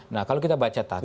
nah kalau kita baca tadi